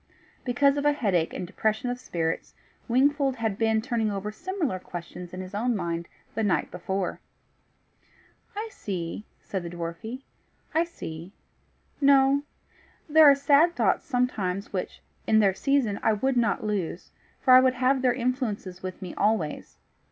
Because of a headache and depression of spirits, Wingfold had been turning over similar questions in his own mind the night before. "I see," said the dwarfie "I see. No. There are sad thoughts sometimes which in their season I would not lose, for I would have their influences with me always.